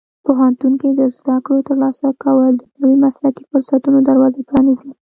پوهنتون کې د زده کړو ترلاسه کول د نوي مسلکي فرصتونو دروازه پرانیزي.